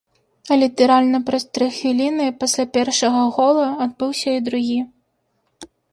А літаральна праз тры хвіліны пасля першага гола адбыўся і другі.